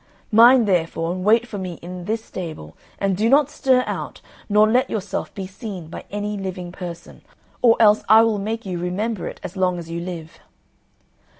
Mind, therefore, and wait for me in this stable and do not stir out, nor let yourself be seen by any living person, or else I will make you remember it as long as you live."